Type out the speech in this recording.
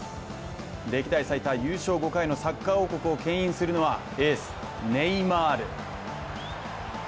歴代最多、優勝５回のサッカー王国をけん引するのはエース・ネイマール。